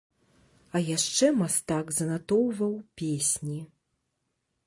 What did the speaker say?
А яшчэ мастак занатоўваў песні.